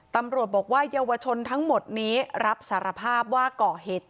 ตำรวจบอกว่าเยาวชนทั้งหมดนี้รับสารภาพว่าก่อเหตุ